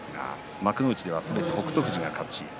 幕内ではすべて北勝富士が勝っています。